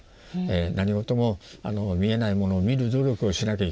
何事も見えないものを見る努力をしなきゃいけないという。